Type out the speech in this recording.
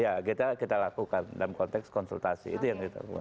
ya kita lakukan dalam konteks konsultasi itu yang kita lakukan